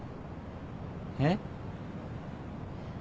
えっ？